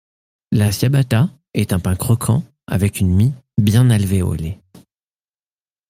La ciabatta est un pain croquant avec une mie bien alvéolée.